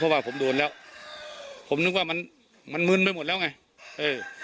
เพราะว่าผมโดนแล้วผมนึกว่ามันมันมึนไปหมดแล้วไงเออ